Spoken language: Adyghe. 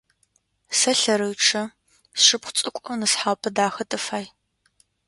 Сэ лъэрычъэ, сшыпхъу цӏыкӏу нысхъапэ дахэ тыфай.